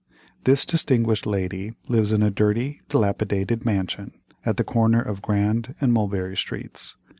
This distinguished lady lives in a dirty, dilapidated mansion, at the corner of Grand and Mulberry Streets.